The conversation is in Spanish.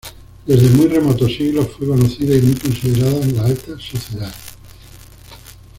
Desde muy remotos siglos fue conocida y muy considerada en la alta sociedad.